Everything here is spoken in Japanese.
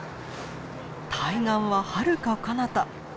対岸ははるかかなた。